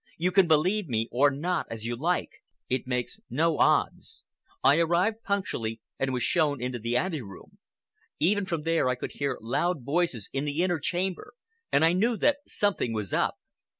You can believe me or not, as you like. It makes no odds. I arrived punctually and was shown up into the anteroom. Even from there I could hear loud voices in the inner chamber and I knew that something was up.